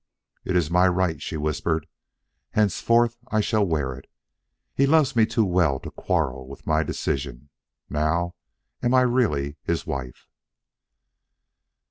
"It is my right," she whispered. "Henceforth I shall wear it. He loves me too well to quarrel with my decision. Now am I really his wife."